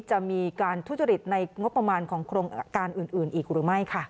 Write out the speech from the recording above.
จะมีการทุจริตในงบประมาณของโครงการอื่นอีกหรือไม่ค่ะ